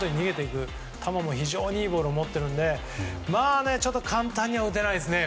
外に逃げていく球も非常にいいものを持っているので簡単には打てないですね。